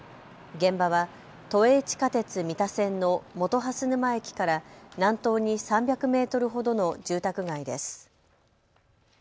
現場は都営地下鉄・三田線の本蓮沼駅から南東に３００メートルほどの住宅街です。